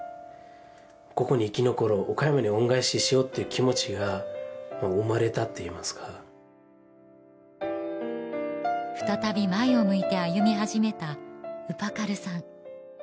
ここに生き残ろう岡山に恩返ししようっていう気持ちが生まれたっていいますか再び前を向いて歩み始めたウパカルさん